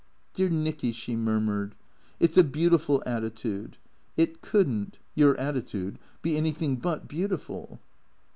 " Dear Nicky," she murmured, " it 's a beautiful attitude. It could n't — your attitude — be anything but beautiful."